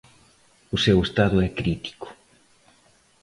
O seu estado é crítico.